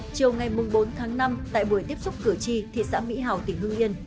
chiều ngày bốn tháng năm tại buổi tiếp xúc cửa chi thị xã mỹ hào tỉnh hương yên